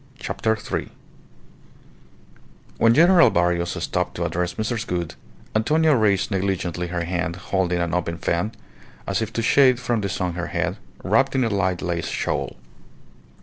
CHAPTER THREE When General Barrios stopped to address Mrs. Gould, Antonia raised negligently her hand holding an open fan, as if to shade from the sun her head, wrapped in a light lace shawl.